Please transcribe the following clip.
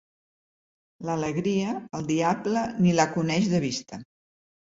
L'alegria, el diable ni la coneix de vista.